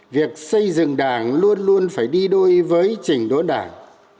việc xây dựng đảng luôn luôn phải đi đôi với trình đốn đảng